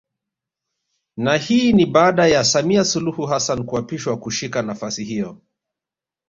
Na hii ni baada ya Samia Suluhu Hassan kuapishwa kushika nafasi hiyo